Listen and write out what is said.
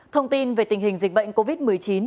thông tin về tình hình dịch bệnh covid một mươi chín